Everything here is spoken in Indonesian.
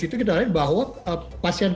itu kita lihat bahwa pasien